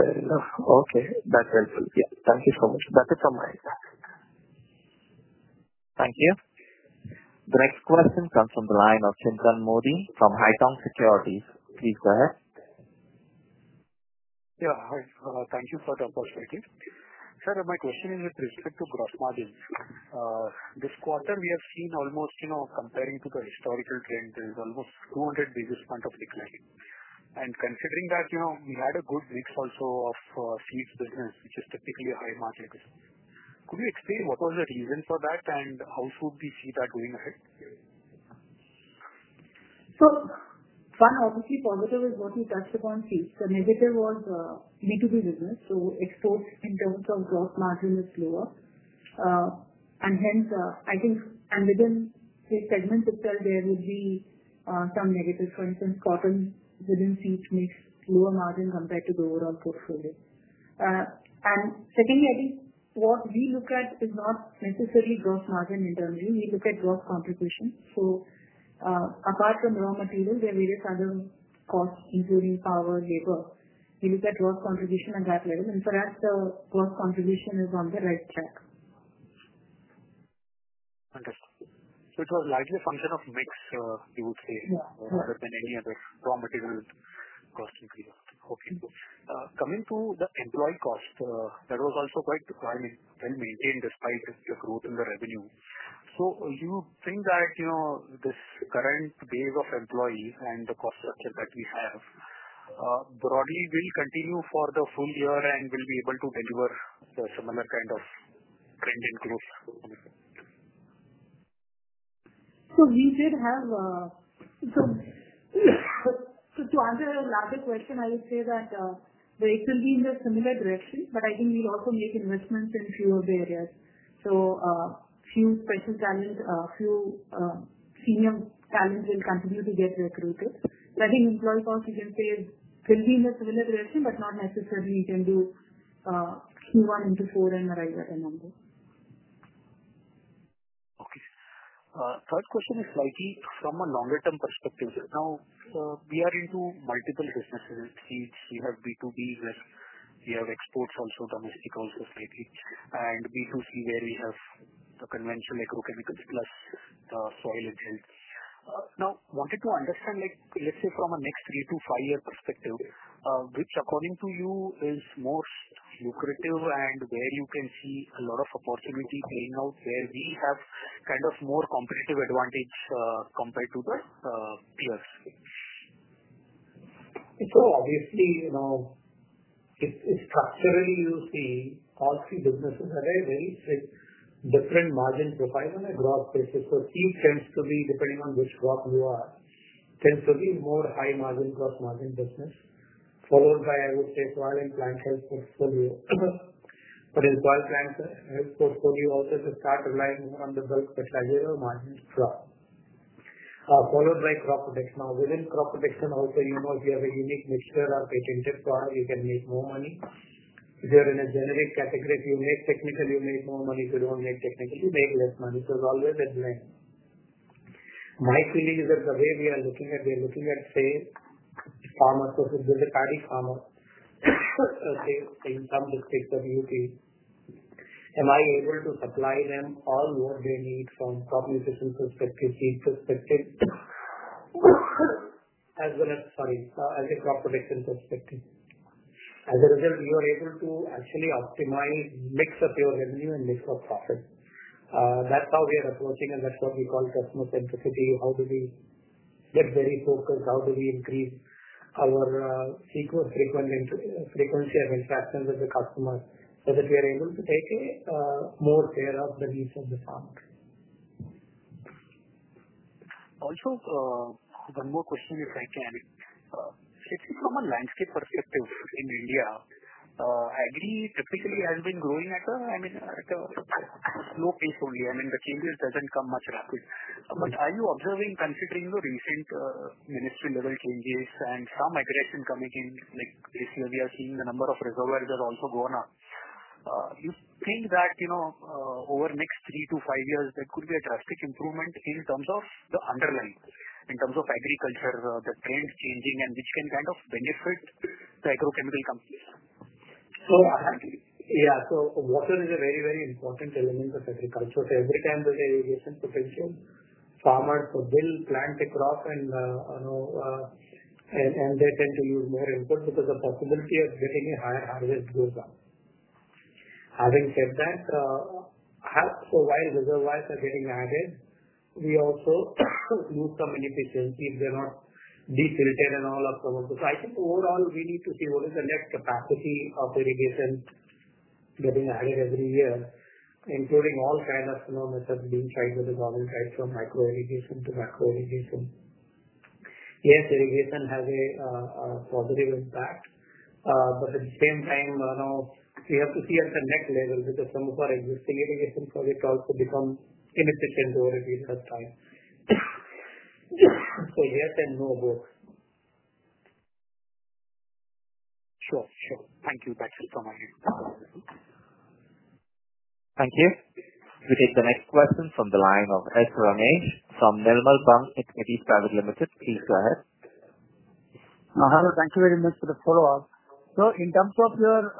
Fair enough. Okay, that's helpful. Thank you so much. That's it from my end. Thank you. The next question comes from the line of Chintan Modi from Haitong Securities. Please go ahead. Yeah. Hi. Thank you for the opportunity. Sir, my question is with respect to gross margins. This quarter, we have seen almost, you know, comparing to the historical trend, there is almost 200 basis points of decline. Considering that, you know, we had a good mix also of seed business, which is typically a high margin business, could you explain what was the reason for that and how should we see that going ahead? One, obviously, positive is what we touched upon, seeds. The negative was B2B business. Exports in terms of gross margin is lower, and hence, I think within the segment itself, there would be some negative. For instance, cotton within seeds makes lower margin compared to the overall portfolio. Secondly, I think what we look at is not necessarily gross margin in terms. We look at gross contribution. Apart from raw material, there are various other costs, including power and labor. We look at gross contribution at that level, and for us, the gross contribution is on the right track. Understood. It was largely a function of mix, you would say, rather than any other raw material cost increase. Okay. Coming to the employee cost, that was also quite, I mean, well maintained despite the growth in the revenue. You think that, you know, this current base of employees and the cost structure that we have, broadly will continue for the full year and will be able to deliver the similar kind of trend in growth? To answer your larger question, I would say that the rates will be in a similar direction, but I think we'll also make investments in fewer areas. A few special talent, a few senior talent will continue to get recruited. I think employee cost, you can say, it will be in a similar direction, but not necessarily we can do Q1 into 4 and arrive at a number. Okay. Third question is slightly from a longer-term perspective. Now, we are into multiple businesses. Seeds, we have B2B, we have exports also, domestic also slightly, and B2C where we have the conventional agrochemicals plus the soil and health. Now, I wanted to understand, like, let's say from a next three to five-year perspective, which according to you is more lucrative and where you can see a lot of opportunity playing out where we have kind of more competitive advantage compared to the peers? Obviously, you know, structurally, you see all three businesses that are very different margin profile on a growth basis. Seeds tends to be, depending on which crop you are, tends to be a more high margin gross margin business, followed by, I would say, soil and plant health portfolio. In soil and plant health portfolio, also to start relying more on the bulk fertilizer or margin straw, followed by crop protection. Now, within crop protection, also, you know, if you have a unique mixture or patented product, you can make more money. If you're in a generic category, if you make technical, you make more money. If you don't make technical, you make less money. It's always a blend. My feeling is that the way we are looking at, they're looking at, say, farmers or the paddy farmer, say, in some districts of the U.K., am I able to supply them all what they need from crop nutrition perspective, seed perspective, as well as, sorry, as a crop protection perspective? As a result, we are able to actually optimize the mix of your revenue and mix of profits. That's how we are approaching, and that's what we call customer centricity. How do we get very focused? How do we increase our frequency of interactions with the customer so that we are able to take more care of the needs of the farmers? Also, one more question if I can. Let's say from a landscape perspective in India, agri typically has been growing at a, I mean, at a slow pace only. The changes don't come much rapid. Are you observing, considering the recent ministry-level changes and some aggression coming in, like this year we are seeing the number of reservoirs that have also gone up, you think that, you know, over the next three to five years, there could be a drastic improvement in terms of the underlying, in terms of agriculture, the trend changing, and which can kind of benefit the agrochemical companies? Water is a very, very important element of agriculture. Every time there's irrigation potential, farmers will plant the crop, and they tend to use more input because the possibility of getting a higher harvest goes up. Having said that, while reservoirs are getting added, we also see some inefficiencies if they're not filtered and all up from above. I think overall, we need to see what is the net capacity of irrigation getting added every year, including all kinds of methods being tried with the government, right from micro irrigation to macro irrigation. Irrigation has a positive impact. At the same time, we have to see at the net level because some of our existing irrigation projects also become inefficient over a period of time. Yes and no both. Sure. Sure. Thank you. That's it from my end. Thank you. We take the next question from the line of S. Ramesh from Nirmal Bang Equities Private Limited. Please go ahead. Hi. Thank you very much for the follow-up. In terms of your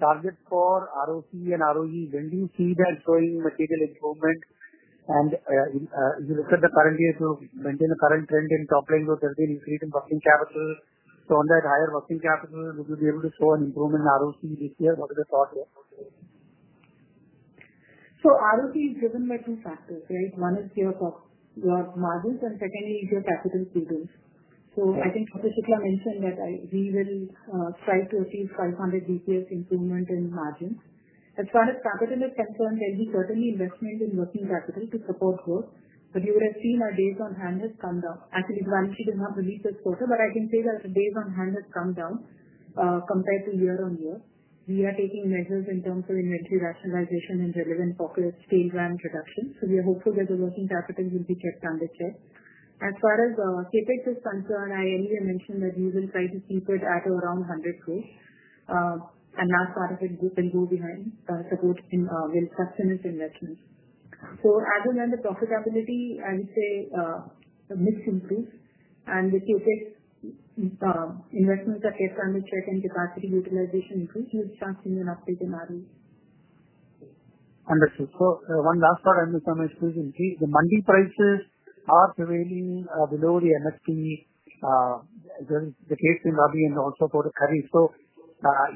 target for ROC and ROE, when do you see that showing material improvement? If you look at the current year to maintain the current trend in top-line, those have been increasing working capital. On that higher working capital, would you be able to show an improvement in ROC this year? What are the thoughts? ROC is driven by two factors, right? One is your margins, and secondly is your capital savings. I think Dr. Gyanendra Shukla mentioned that we will strive to achieve 500 basis points improvement in margins. As far as capital is concerned, there'll be certainly investment in working capital to support growth. You would have seen our days on hand has come down. Actually, Gyanendra did not release this quarter, but I can say that the days on hand has come down compared to year on year. We are taking measures in terms of inventory rationalization and relevant pockets, tailwind reduction. We are hopeful that the working capital will be kept under check. As far as CapEx is concerned, I earlier mentioned that we will try to keep it at around 100 crore. That part of it we can go behind supporting will sustenance investments. As in the profitability, I would say mixed improve. The CapEx investments are kept under check, and capacity utilization increases. We'll start seeing an uptake in ROE. Understood. One last thought before my conclusion is the mandi prices are prevailing below the MSP. This is the case in Rabi and also for the Kharif.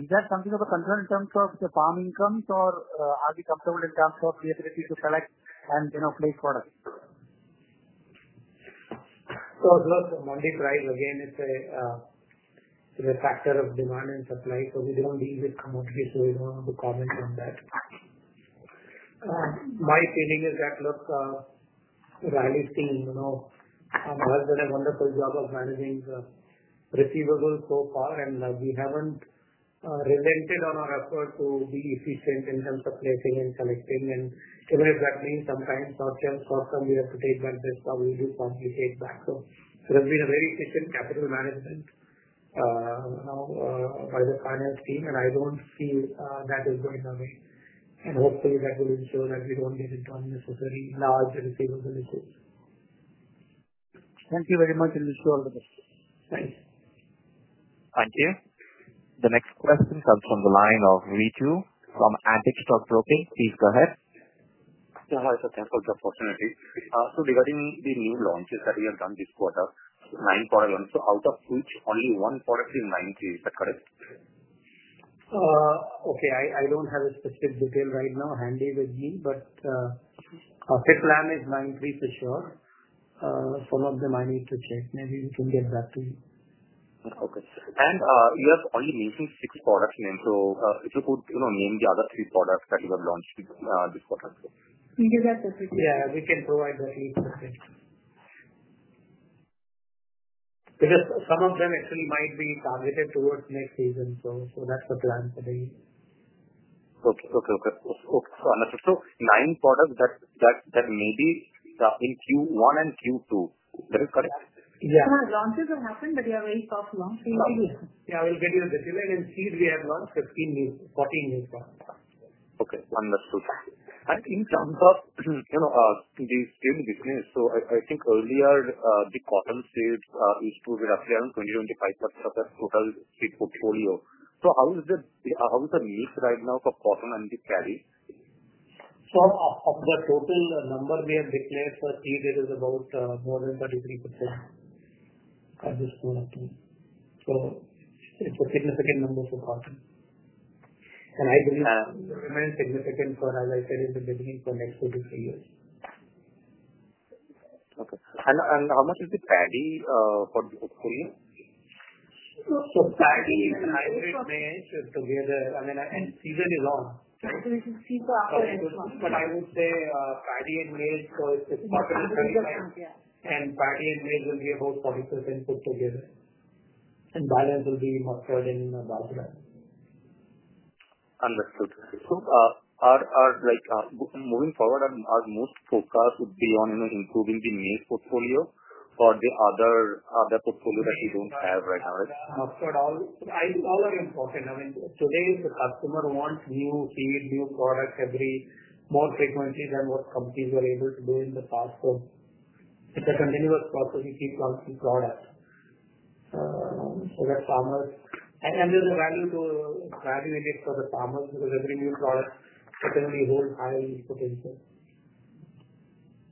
Is that something of a concern in terms of the farm incomes, or are we comfortable in terms of the ability to select and place products? Monday price, again, is a factor of demand and supply. We don't deal with commodities, so we don't want to comment on that. My feeling is that Rallis team has done a wonderful job of managing the receivables so far. We haven't relented on our effort to be efficient in terms of placing and collecting. Even if that means sometimes short-term costs that we have to take, benefits do contribute back. There has been very efficient capital management by the finance team, and I don't see that is going away. Hopefully, that will ensure that we don't get into unnecessary large receivable issues. Thank you very much, and wish you all the best. Thanks. Thank you. The next question comes from the line of Ritu from Antique Stock Broking. Please go ahead. Hi. It's a thankful opportunity. Regarding the new launches that we have done this quarter, nine products, out of which only one product is 93. Is that correct? Okay. I don't have a specific detail right now handy with me, but FitLab is 93 for sure. Some of them I need to check. Maybe we can get back to you. Okay. You have only mentioned six products named. If you could name the other three products that you have launched this quarter. Give us a few. Yeah, we can provide that link. Okay. Because some of them actually might be targeted towards next season. That's the plan for the year. Okay. So nine products that may be in Q1 and Q2. That is correct? Yeah. Our launches have happened, but they are very short launch. We'll get you the detail. In seeds, we have launched 15 new, 14 new products. Okay. Understood. In terms of the seed business, I think earlier the cotton seeds used to be roughly around 20%-25% of the total seed portfolio. How is the need right now for cotton and the Kharif? Of the total number we have declared for seed, it is about more than 33% at this point of time. It is a significant number for cotton, and I believe it remains significant for, as I said in the beginning, for the next two to three years. Okay. How much is the paddy for the portfolio? Paddy and hybrid maize is together. I mean, and seed is on. Seed is after. I would say paddy and maize, so it's cotton at the same time. Paddy and maize will be about 40% put together. The balance will be mustard and barley. Understood. Are we, like, moving forward, our most focus would be on improving the maize portfolio or the other portfolio that we don't have right now, right? All are important. I mean, today the customer wants new seeds, new products more frequently than what companies were able to do in the past. It is a continuous process. We keep launching products so that farmers, and there's a value to graduate it for the farmers because every new product certainly holds higher potential.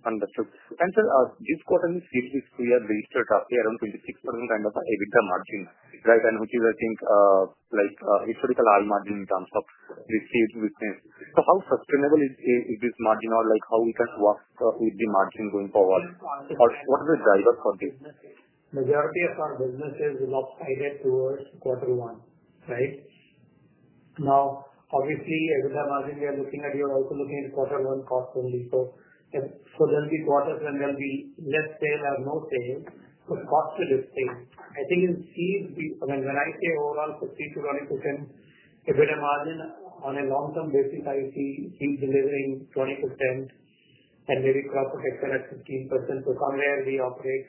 Understood. Sir, this quarter's seed risk we have registered roughly around 26% kind of EBITDA margin, right? I think it's a historical high margin in terms of the seed business. How sustainable is this margin or how can we work with the margin going forward? What is the driver for this? Majority of our businesses is off-sided towards quarter one, right? Now, obviously, EBITDA margin we are looking at, you're also looking at quarter one cost only. There'll be quarters when there'll be less sales or no sales. Cost will stay. I think in seeds, when I say overall 16%-20% EBITDA margin on a long-term basis, I see seeds delivering 20% and maybe crop protection at 15%. Somewhere we operate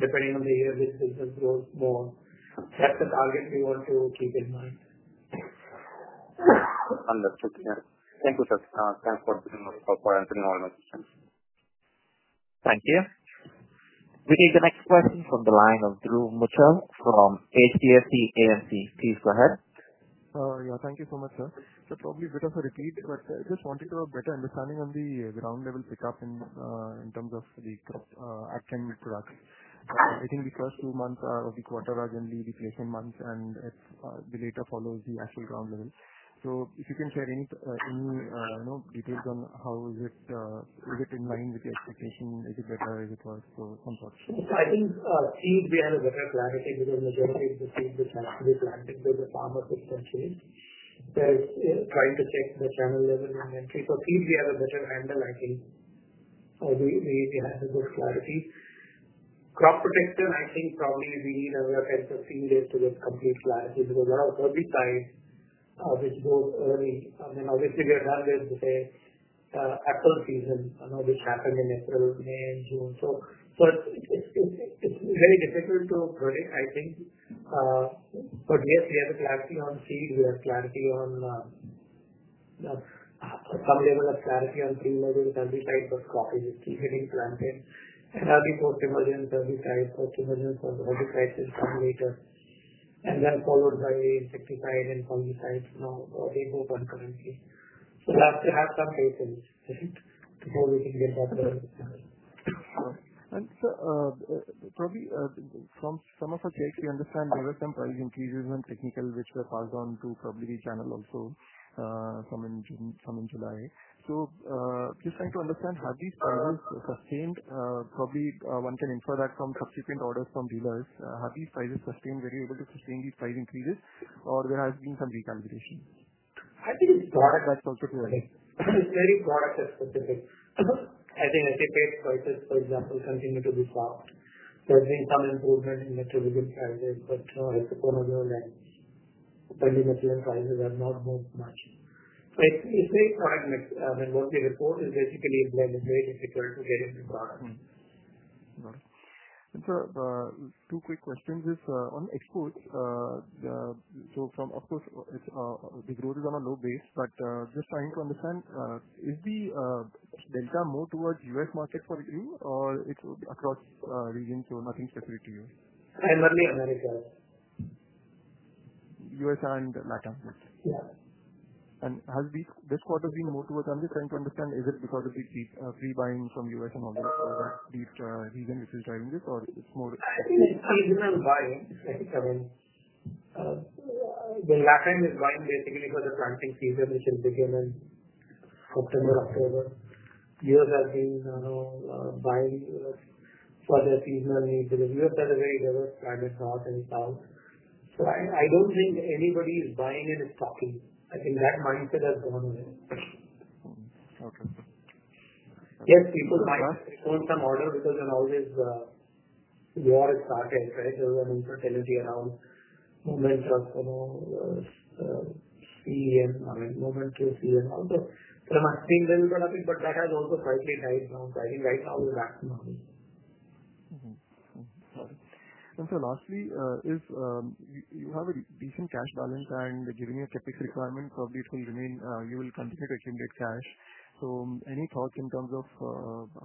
depending on the year this business grows more. That's the target we want to keep in mind. Understood. Thank you, sir. Thanks for being so cooperative in all of my questions. Thank you. We take the next question from the line of Dhruv Muchhal from HDFC AMC. Please go ahead. Thank you so much, sir. Probably a bit of a repeat, but I just wanted to have a better understanding on the ground level pickup in terms of the crops acting with production. I think the first two months of the quarter are generally deflation months, and the later follows the actual ground level. If you can share any details on how is it in line with the expectation? Is it better? Is it worse? So on and so on. I think seeds we have a better clarity because the majority of the seeds which we planted with the farmer could continue. We're trying to check the channel level inventory. For seeds, we have a better handle, I think. We have a good clarity. Crop protection, I think probably we need a better seed is to get complete clarity because there are herbicides which go early. Obviously, we are done with, say, apple season. I know this happened in April, May, and June. It's very difficult to predict, I think, but yes, we have a clarity on seeds. We have a clarity on some level of clarity on pre-emerged herbicides, but crop is still getting planted. Now the post-emergence herbicides, post-emergence of herbicides will come later, and then followed by insecticide and fungicides. They go concurrently. That's to have some patience, I think, before we can get that. Sir, probably from some of our takes, we understand there were some price increases in technical which were passed on to probably the channel also, some in June, some in July. Just trying to understand, have these prices sustained? Probably one can infer that from subsequent orders from dealers. Have these prices sustained? Were you able to sustain these price increases, or there has been some recalibration? I think it's product-specific. It's very product-specific. I think anti-pest prices, for example, continue to be soft. There's been some improvement in metallurgical prices, but no, as you know, the polymer prices have not moved much. It's a product mix. What we report is basically that it's very difficult to get into product. Got it. Sir, two quick questions. Is on exports, so from exports, the growth is on a low base, but just trying to understand, is the delta more towards U.S. market for you, or it's across regions, so nothing specific to you? Primarily America. U.S. and LATAM, yes? Yeah. Has this quarter been more towards, I'm just trying to understand, is it because of the pre-buying from the U.S. and all that? Is that the region which is driving this, or it's more? I think it's seasonal buying. LatAm is buying basically for the planting season, which will begin in September, October. U.S. has been buying for their seasonal needs because U.S. has a very diverse private crop and cloud. I don't think anybody is buying in stocking. I think that mindset has gone away. Okay. Yes, people might own some order because you know the war has started, right? There was an uncertainty around movement of, you know, CSM. I mean, movement to CSM. There must be a little bit of it, but that has also slightly died down. I think right now we're back to normal. Got it. Sir, lastly, if you have a decent cash balance and given your CapEx requirements, probably it will remain, you will continue to accumulate cash. Any thoughts in terms of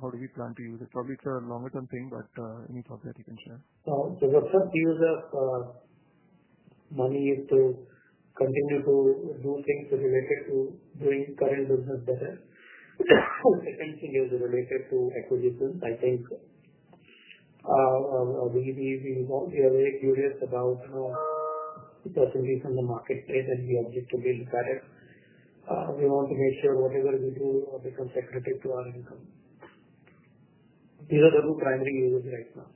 how do we plan to use it? Probably it's a longer-term thing, but any thoughts that you can share? The first thing is that money is to continue to do things related to doing current business better. The second thing is related to equity business. I think we are very curious about the opportunities in the marketplace and we object to being better. We want to make sure whatever we do becomes accurate to our income. These are the two primary uses right now.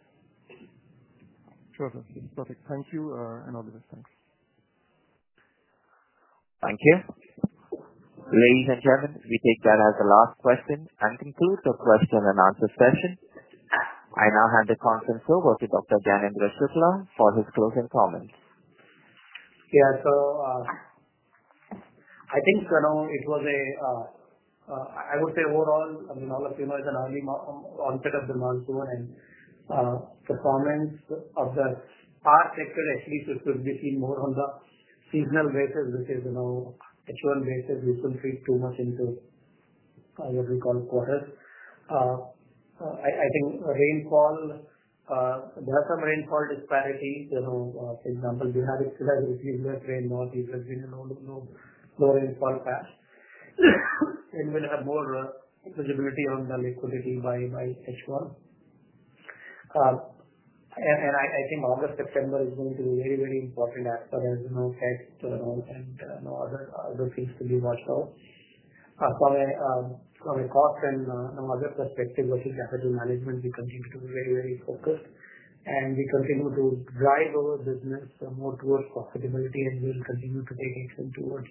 Okay. Perfect. Thank you and all the best. Thanks. Thank you. Ladies and gentlemen, we take that as the last question and conclude the question-and-answer session. I now hand the conference over to Dr. Gyanendra Shukla for his closing comments. Yeah. I think, you know, it was a, I would say overall, I mean, all of you know it's an early onset of the monsoon, and the comments of the past sector actually should be seen more on the seasonal basis, which is, you know, a churn basis. We shouldn't read too much into what we call quarters. I think rainfall, there are some rainfall disparities. For example, we have it still as a refusal. It rained north. It has been a low rainfall patch. We'll have more visibility on the liquidity by H1. I think August, September is going to be a very, very important aspect as you know Fed and other things to be watched out. From a cost and other perspective, which is capital management, we continue to be very, very focused. We continue to drive our business more towards profitability, and we'll continue to take action towards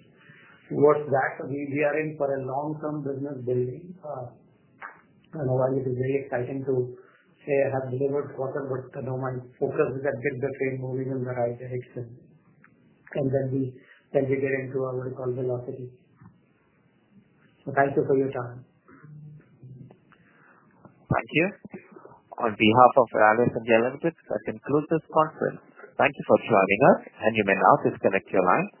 what's that. We are in for a long-term business building. While it is very exciting to say I have delivered quarter, my focus is that get the train moving in the right direction. Then we get into our what we call velocity. Thank you for your time. Thank you. On behalf of Rallis and Dr. Gyanendra Shukla, I conclude this conference. Thank you for joining us, and you may now disconnect your line.